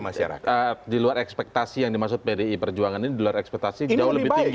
masyarakat di luar ekspektasi yang dimaksud pdi perjuangan ini di luar ekspektasi jauh lebih tinggi